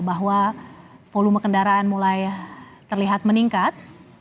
bahwa volume kendaraan mulai terlihat meningkat